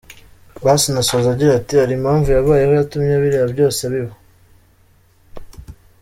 Asinah asoza agira ati “Hari impamvu yabayeho yatumye biriya byose biba.”